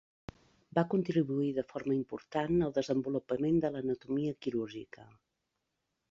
Va contribuir de forma important al desenvolupament de l'anatomia quirúrgica.